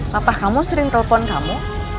papa kamu sering telepon kamu